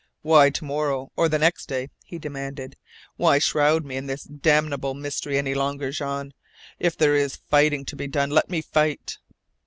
"Why to morrow or the next day?" he demanded. "Why shroud me in this damnable mystery any longer, Jean? If there is fighting to be done, let me fight!"